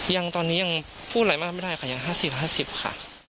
ยังตอนนี้ยังพูดอะไรมากไม่ได้ค่ะยัง๕๐๕๐ค่ะ